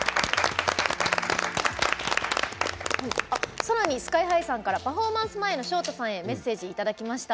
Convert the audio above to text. さらにＳＫＹ‐ＨＩさんからパフォーマンス前のＳｈｏｔａさんへメッセージいただきました。